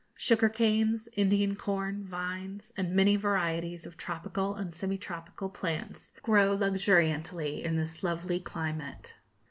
Sugar canes, Indian corn, vines, and many varieties of tropical and semi tropical plants, grow luxuriantly in this lovely climate.